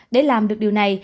để làm được điều này